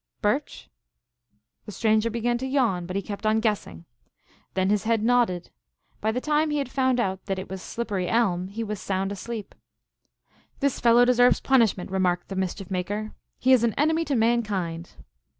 "Birch?" The stranger began to yawn, but he kept on guess ing. Then his head nodded. By the time he had found out that it was slippery elm he was sound asleep. " This fellow deserves punishment," remarked the Mischief Maker. "He is an enemy to mankind."